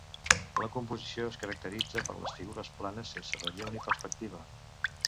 La composició es caracteritza per les figures planes, sense relleu ni perspectiva.